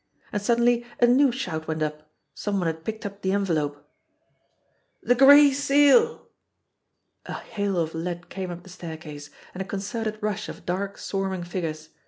And suddenly a new shout went up. Some one had picked up the envelope ! "The Gray Seal!" A hail of lead came up the staircase and a concerted rush of dark, swarming figures.